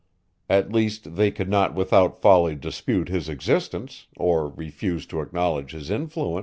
At least, they could not, without folly, dispute his existence, or refuse to acknowledge his influence.